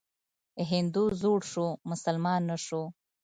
هندو زوړ شو، مسلمان نه شو.